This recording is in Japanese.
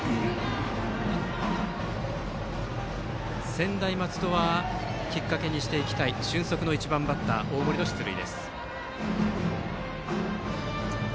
専大松戸はきっかけにしていきたい俊足の１番バッター、大森の出塁。